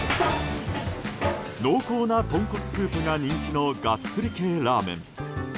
濃厚な豚骨スープが人気のガッツリ系ラーメン。